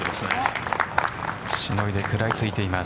しのいで食らいついています。